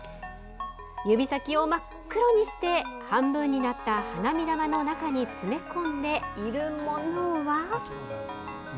指先を真っ黒にして半分になった花火玉の中に詰め込んでいるものは。